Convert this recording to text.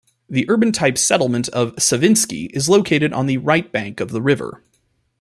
The urban-type settlement of Savinsky is located on the right bank of the river.